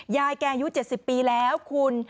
ยายแกอายุ๗๐ปีแล้วคุณ